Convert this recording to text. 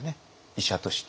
医者として。